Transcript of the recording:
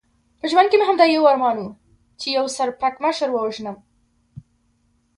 په ژوند کې مې همدا یو ارمان و، چې یو سر پړکمشر ووژنم.